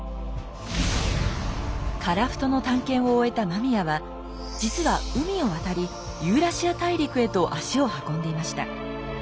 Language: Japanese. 樺太の探検を終えた間宮は実は海を渡りユーラシア大陸へと足を運んでいました。